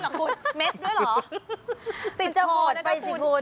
คุณเม็ดด้วยเหรอติดโหดไปสิคุณ